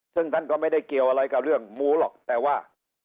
ซึ่งท่านก็ไม่ได้เกี่ยวอะไรกับเรื่องหมูหรอกแต่ว่า